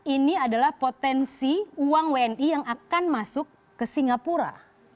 ini adalah potensi uang wni yang akan masuk ke singapura